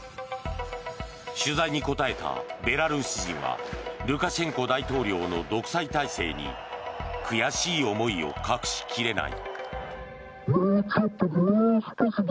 取材に答えたベラルーシ人はルカシェンコ大統領の独裁体制に悔しい思いを隠し切れない。